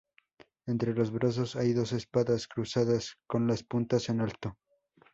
Entre los brazos hay dos espadas cruzadas, con las puntas en alto.